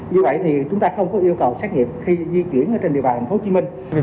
vì vậy thì chúng ta không có yêu cầu xét nghiệm khi di chuyển trên địa bàn tp hcm